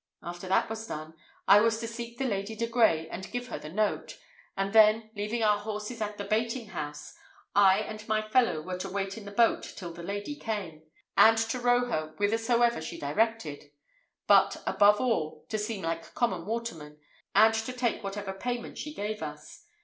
After that was done, I was to seek the Lady de Grey, and give her the note; and then, leaving our horses at the baiting house, I and my fellow were to wait in the boat till the lady came, and to row her whithersoever she directed; but, above all, to seem like common watermen, and to take whatever payment she gave us.